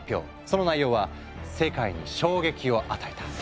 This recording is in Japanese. その内容は世界に衝撃を与えた。